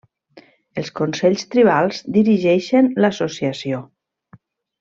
Els consells tribals dirigeixen l'Associació.